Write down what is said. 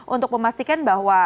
untuk memastikan bahwa